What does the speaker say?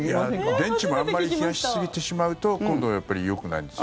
電池もあまり冷やしすぎてしまうと今度やっぱりよくないんですよ。